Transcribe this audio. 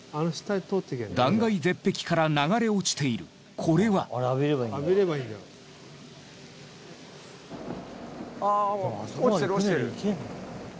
断崖絶壁から流れ落ちているこれは？あ落ちてる落ちてる。